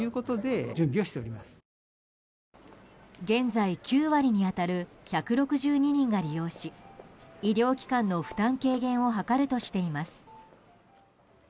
現在９割に当たる１６２人が利用し医療機関の負担軽減を図るとしています。